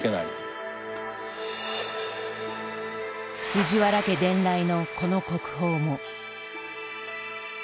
藤原家伝来のこの国宝も。